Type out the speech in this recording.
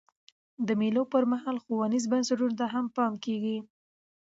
د مېلو پر مهال ښوونیزو بنسټونو ته هم پام کېږي.